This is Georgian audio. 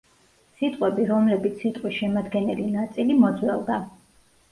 სიტყვები, რომლებიც სიტყვის შემადგენელი ნაწილი მოძველდა.